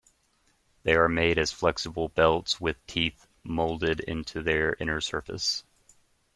They are made as flexible belts with teeth moulded onto their inner surface.